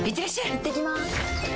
いってきます！